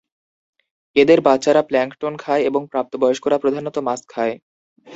এদের বাচ্চারা প্ল্যাঙ্কটন খায় এবং প্রাপ্তবয়স্করা প্রধানত মাছ খায়।